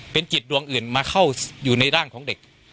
เป็นจิตดวงอื่นมาเข้าอยู่ในร่างของเด็ก